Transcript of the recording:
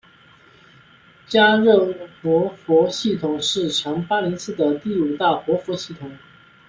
嘉热活佛系统是强巴林寺的第五大活佛系统。